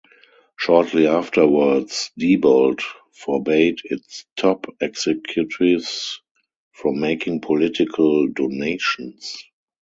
Shortly afterwards, Diebold forbade its top executives from making political donations.